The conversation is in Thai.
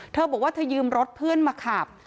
เธอบอกว่าเธอยืมรถเพื่อนมาขับ